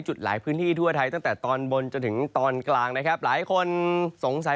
จุดหลายพื้นที่ทั่วไทยตั้งแต่ตอนบนจนถึงตอนกลางนะครับหลายคนสงสัย